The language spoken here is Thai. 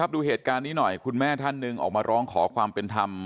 ดูเหตุการณ์นี้หน่อยคุณแม่ท่านหนึ่งออกมาร้องขอความเป็นธรรม